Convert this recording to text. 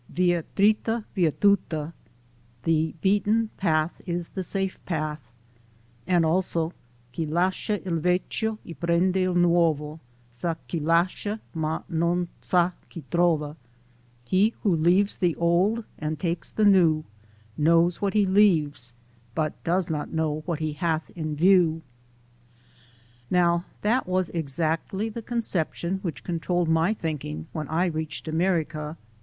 "Via trita, via tuta" (the beaten path is the safe path), and also: "Chi lascia il vecchio e prende il nuovo, sa che lascia ma non sa che trova" (he who leaves the old and takes the new, knows what he leaves but does not know what he hath in view). Now that was exactly the conception which con trolled my thinking when I reached America.